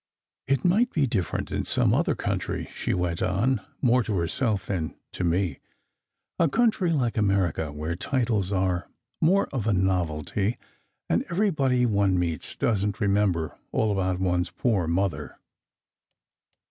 "It might be different in some other country," she went on, more to herself than to me. "A country like America, where titles are more of a novelty, and everybody one meets doesn t remember all about one s poor mother."